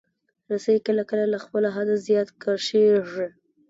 رسۍ کله کله له خپل حده زیات کشېږي.